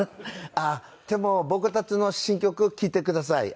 あっでも僕たちの新曲聴いてください。